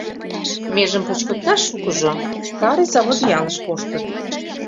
Межым почкыкташ шукыжо Старый Завод ялыш коштыт.